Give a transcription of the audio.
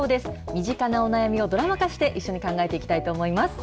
身近なお悩みをドラマ化して一緒に考えていきたいと思います。